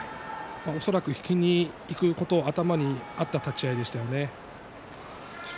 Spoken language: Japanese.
恐らく引きにいくことが頭にあった立ち合いですよね。